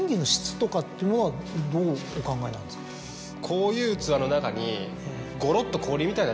こういう器の中に。